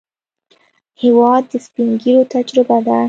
هېواد د سپینږیرو تجربه ده.